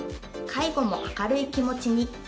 介護も明るい気持ちに。